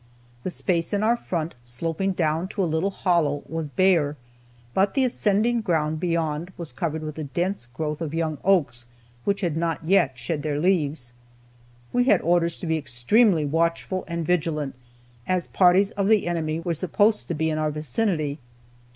The space in our front, sloping down to a little hollow, was bare, but the ascending ground beyond was covered with a dense growth of young oaks which had not yet shed their leaves. We had orders to be extremely watchful and vigilant, as parties of the enemy were supposed to be in our vicinity.